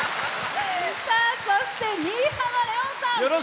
そして、新浜レオンさん。